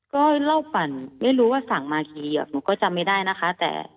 ก็เล่าปั่นไม่รู้ว่าสั่งมากี่หนูก็จำไม่ได้นะคะแต่